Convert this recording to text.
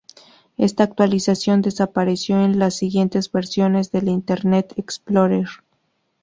Esta actualización desapareció en las siguientes versiones de Internet Explorer.